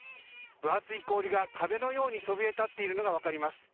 分厚い氷が壁のようにそびえ立っているのが分かります。